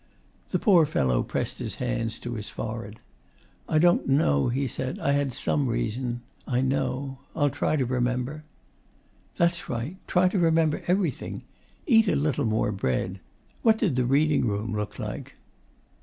The poor fellow pressed his hands to his forehead. 'I don't know,' he said. 'I had some reason, I know.... I'll try to remember.' 'That's right. Try to remember everything. Eat a little more bread. What did the reading room look like?